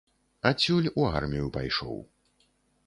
Адсюль у армію пайшоў.